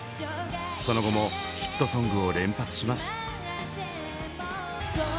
その後もヒットソングを連発します。